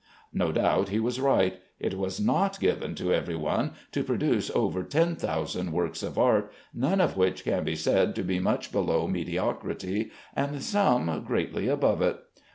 No doubt he was right. It is not given to every one to produce over 10,000 works of art, none of which can be said to be much below mediocrity, and some greatly above it.